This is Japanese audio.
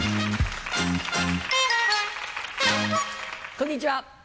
こんにちは。